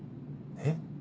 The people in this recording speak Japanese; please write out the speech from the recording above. えっ？